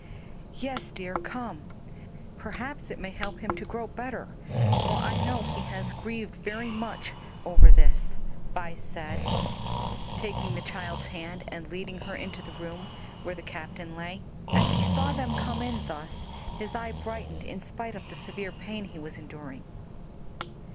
"Yes, dear, come; perhaps it may help him to grow better, for I know he has grieved very much over this," Vi said, taking the child's hand and leading her into the room where the captain lay. As he saw them come in thus his eye brightened in spite of the severe pain he was enduring.